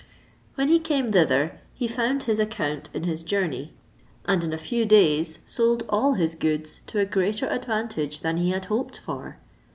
When he came thither, he found his account in his journey, and in a few days sold all his goods to a greater advantage than he had hoped for.